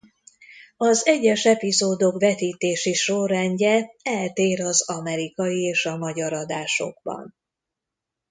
Az egyes epizódok vetítési sorrendje eltér az amerikai és a magyar adásokban.